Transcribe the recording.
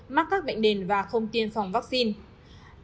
mắc các bệnh đền và không tiêm phòng vaccine